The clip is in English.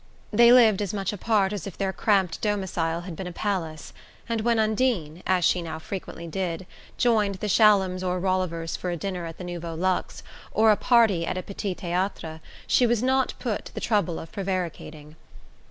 They lived as much apart is if their cramped domicile had been a palace; and when Undine as she now frequently did joined the Shallums or Rollivers for a dinner at the Nouveau Luxe, or a party at a petit theatre, she was not put to the trouble of prevaricating.